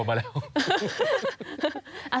โตมาแล้ว